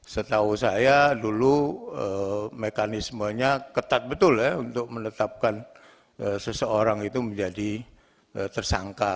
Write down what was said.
setahu saya dulu mekanismenya ketat betul ya untuk menetapkan seseorang itu menjadi tersangka